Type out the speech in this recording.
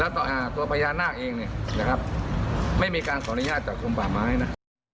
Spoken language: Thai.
แล้วตัวพญานาคเองเนี่ยไม่มีการขอนุญาตจากกลมป่าไม้นะ